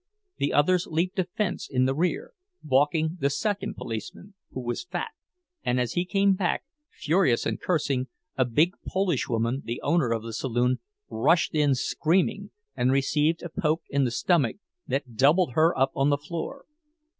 The others leaped a fence in the rear, balking the second policeman, who was fat; and as he came back, furious and cursing, a big Polish woman, the owner of the saloon, rushed in screaming, and received a poke in the stomach that doubled her up on the floor.